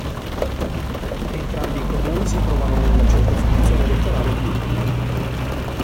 Entrambi i comuni si trovano nella circoscrizione elettorale di Udine.